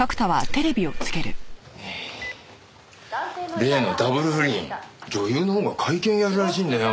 例のダブル不倫女優のほうが会見やるらしいんだよ。